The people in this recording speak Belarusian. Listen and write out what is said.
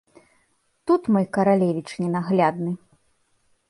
Тут мой каралевіч ненаглядны!